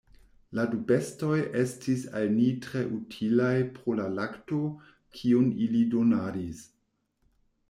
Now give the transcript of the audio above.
La du bestoj estis al ni tre utilaj pro la lakto, kiun ili donadis.